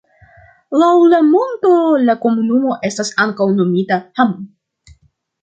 Laŭ la monto la komunumo estas ankaŭ nomita Hamm.